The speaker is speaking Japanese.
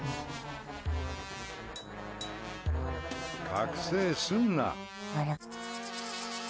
覚醒すんな！